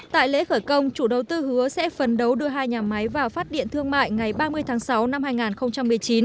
tại lễ khởi công chủ đầu tư hứa sẽ phấn đấu đưa hai nhà máy vào phát điện thương mại ngày ba mươi tháng sáu năm hai nghìn một mươi chín